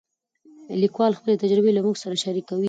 لیکوال خپلې تجربې له موږ سره شریکوي.